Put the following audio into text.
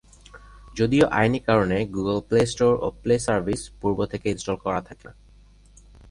যদিও আইনি কারণে, গুগল প্লে স্টোর, ও প্লে সার্ভিস পূর্ব থেকে ইন্সটল করা থাকে না।